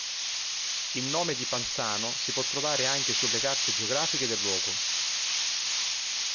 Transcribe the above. Il nome di Panzano si può trovare anche sulle carte geografiche del luogo.